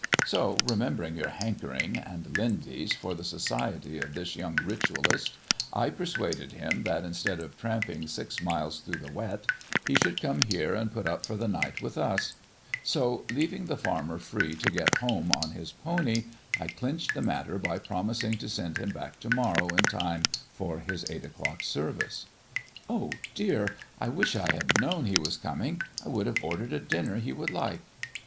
So, remembering your hankering and Lindy's for the society of this young Ritualist, I persuaded him that instead of tramping six miles through the wet he should come here and put up for the night with us; so, leaving the farmer free to get home on his pony, I clinched the matter by promising to send him back to morrow in time for his eight o'clock service." "Oh dear! I wish I had known he was coming. I would have ordered a dinner he would like."